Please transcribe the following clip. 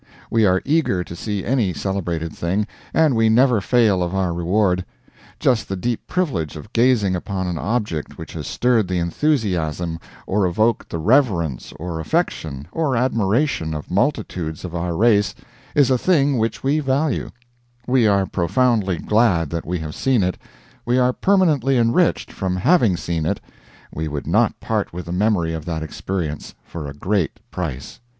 We are eager to see any celebrated thing and we never fail of our reward; just the deep privilege of gazing upon an object which has stirred the enthusiasm or evoked the reverence or affection or admiration of multitudes of our race is a thing which we value; we are profoundly glad that we have seen it, we are permanently enriched from having seen it, we would not part with the memory of that experience for a great price.